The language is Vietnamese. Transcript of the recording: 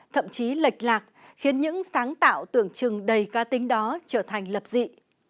thậm chí lệch lạc khiến những sáng tạo tưởng chừng đầy ca tính đó trở thành lập dị